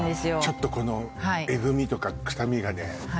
ちょっとこのえぐみとか臭みがね